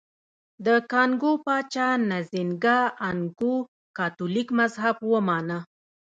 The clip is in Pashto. د کانګو پاچا نزینګا ا نکؤو کاتولیک مذهب ومانه.